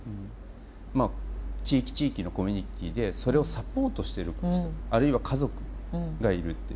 まあ地域地域のコミュニティーでそれをサポートしてる人あるいは家族がいるっていう。